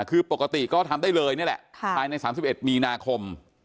คือปกติก็ทำได้เลยนี่แหละภายใน๓๑มีนาคม